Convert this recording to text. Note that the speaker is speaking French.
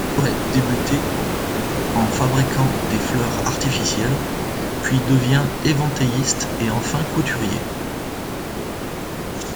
Il aurait débuté en fabriquant des fleurs artificielles, puis devient éventailliste et enfin couturier.